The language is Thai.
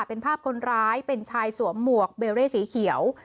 เป็นภาพคนร้ายเป็นชายสวมหมวกเบเร่สีเขียว